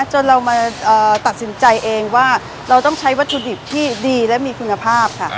จนเรามาตัดสินใจเองว่าเราต้องใช้วัตถุดิบที่ดีและมีคุณภาพค่ะ